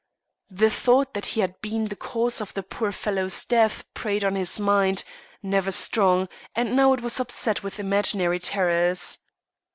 The thought that he had been the cause of the poor fellow's death preyed on his mind, never strong, and now it was upset with imaginary terrors.